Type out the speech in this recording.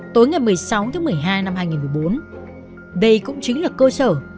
tối ngày một mươi sáu một mươi hai hai nghìn một mươi bốn đây cũng chính là cơ sở